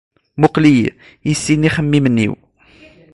Muqqel-iyi, issin ixemmimen-iw!